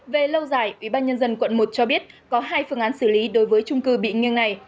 về lâu dài ubnd quận một cho biết có hai phương án xử lý đối với trung cư bị nghiêng này